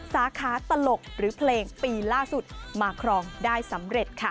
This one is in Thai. สาขาตลกหรือเพลงปีล่าสุดมาครองได้สำเร็จค่ะ